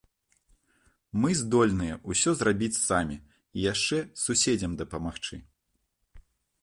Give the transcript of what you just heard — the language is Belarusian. Мы здольныя ўсё зрабіць самі, і яшчэ суседзям дапамагчы.